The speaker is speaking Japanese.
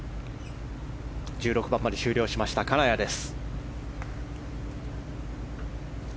１６番まで終了した、金谷です。